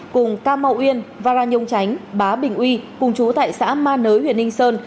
cùng cam màu yên vara nhông tránh bá bình uy cùng chú tại xã ma nới huyện ninh sơn